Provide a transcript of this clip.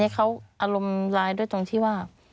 เขาอารมณ์ร้ายด้วยตรงที่ว่า